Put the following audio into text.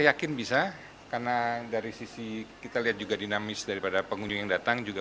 yakin bisa karena dari sisi kita lihat juga dinamis daripada pengunjung yang datang juga